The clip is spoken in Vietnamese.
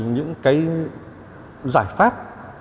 những cái giải pháp